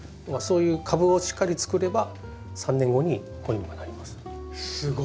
そういう株をしっかり作れば３年後にこういうのがなります。